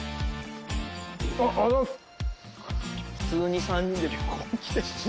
ありがとうございます！